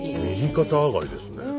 右肩上がりですね。